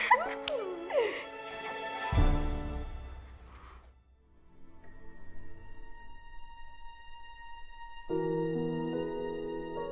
sebelumnya selamat menikmati